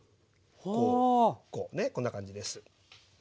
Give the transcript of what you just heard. こうこうねこんな感じです。